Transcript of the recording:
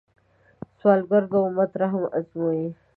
سوالګر د امت رحم ازمويي